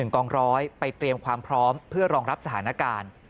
กองร้อยไปเตรียมความพร้อมเพื่อรองรับสถานการณ์